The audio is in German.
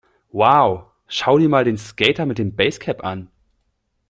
Wow, schau dir mal den Skater mit dem Basecap an!